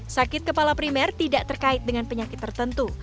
sakit kepala primer tidak terkait dengan penyakit tertentu